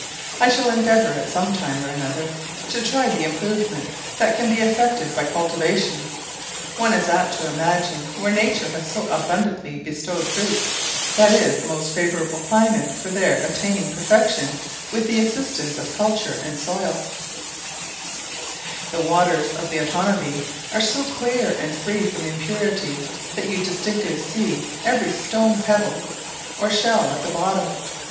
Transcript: I shall endeavour, at some time or other, to try the improvement that can be effected by cultivation. One is apt to imagine where Nature has so abundantly bestowed fruits, that is the most favourable climate for their attaining perfection with the assistance of culture and soil. [Illustration: Silver Pine] The waters of the Otanabee are so clear and free from impurity that you distinctly see every stone pebble or shell at the bottom.